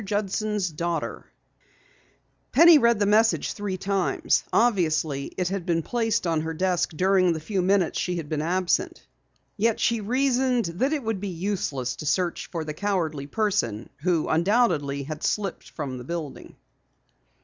JUDSON'S DAUGHTER_ Penny read the message three times. Obviously, it had been placed on her desk during the few minutes she had been absent. Yet she reasoned that it would be useless to search for the cowardly person who undoubtedly had slipped from the building.